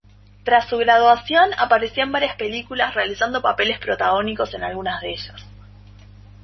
Tras su graduación apareció en varias películas, realizando papeles protagónicos en algunas de ellas.